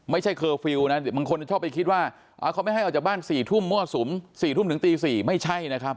เคอร์ฟิลล์นะบางคนชอบไปคิดว่าเขาไม่ให้ออกจากบ้าน๔ทุ่มมั่วสุม๔ทุ่มถึงตี๔ไม่ใช่นะครับ